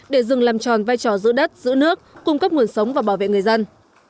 để rừng làm tròn vai trò giữ đất giữ nước cung cấp nguồn sống và bảo vệ người dân